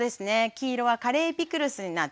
黄色はカレーピクルスになってます。